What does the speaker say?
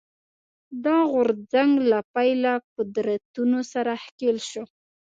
دا غورځنګ له پیله قدرتونو سره ښکېل شو